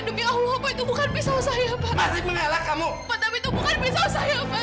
demi allah itu bukan pisau saya pak masih mengalah kamu pada itu bukan pisau saya pak